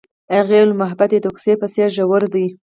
هغې وویل محبت یې د کوڅه په څېر ژور دی.